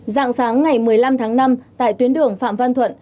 dạng sáng ngày một mươi năm tháng năm tại tuyến đường phạm văn thuận